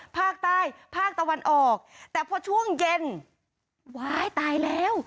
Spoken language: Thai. ภาคใต้ภาคตะวันออกแต่พอช่วงเย็นว้ายตายแล้ว